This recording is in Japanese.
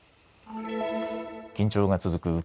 緊張が続く